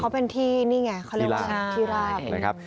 เขาเป็นที่นี่ไงเขาเรียกว่าที่ราบนะครับ